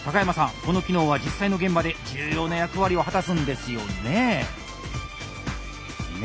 この機能は実際の現場で重要な役割を果たすんですよね？ね？